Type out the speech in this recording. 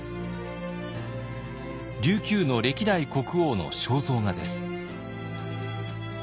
琉球の歴代国王の肖像画です。